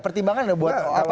pertimbangan buat apa